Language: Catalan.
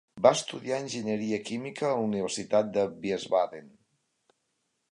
Va estudiar enginyeria química a la Universitat de Wiesbaden.